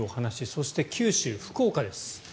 そして九州、福岡です。